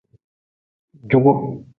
Jugu.